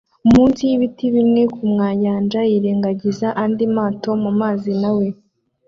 munsi yibiti bimwe kumyanyanja yirengagiza andi mato mumazi na we